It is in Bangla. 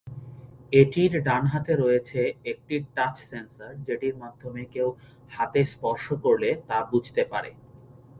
এটির ডান হাতে রয়েছে একটি টাচ সেন্সর, যেটির মাধ্যমে কেউ হাতে স্পর্শ করলে তা বুঝতে পারে।